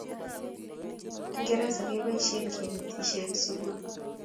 koteekab kingereza keboishen kenetishe en sukul